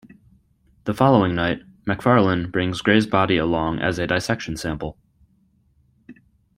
The following night, Macfarlane brings Gray's body along as a dissection sample.